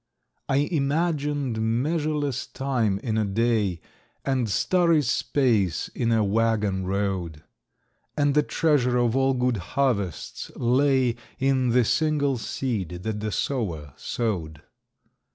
I imagined measureless time in a day, And starry space in a waggon road, And the treasure of all good harvests lay In the single seed that the sower sowed.